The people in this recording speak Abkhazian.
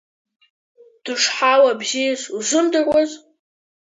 Дышҳауа бзиаз узымдыруаз?